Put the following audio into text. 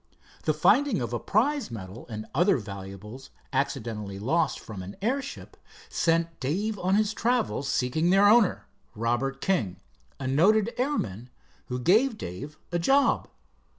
The finding of a prize medal and other valuables accidentally lost from an airship, sent Dave on his travels seeking their owner, Robert King, a noted airman, who gave Dave a job.